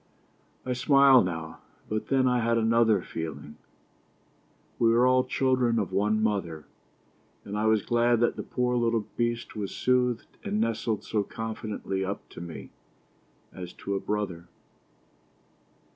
I smile now ... but then I had another feeling. We are all children of one mother, and I was glad that the poor little beast was soothed and nestled so confidingly up to me, as to a brother.